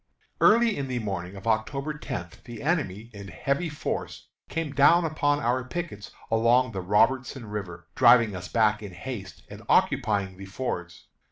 Early in the morning of October tenth the enemy, in heavy force, came down upon our pickets along the Robertson River, driving us back in haste and occupying the fords.